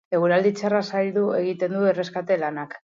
Eguraldi txarrak zaildu egin ditu erreskate lanak.